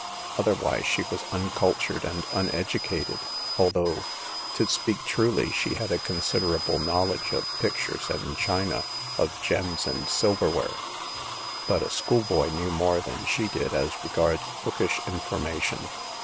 Otherwise she was un cultured and uneducated, although, to speak truly, she had a considerable knowledge of pic tures and china, of gems and silverware. But a schoolboy knew more than she did as regards bookish information.